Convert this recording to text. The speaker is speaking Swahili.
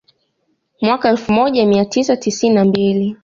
Mwaka elfu moja mia tisa tisini na mbili